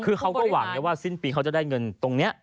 คือเขาก็หวังไงว่าสิ้นปีเขาจะได้เงินตรงนี้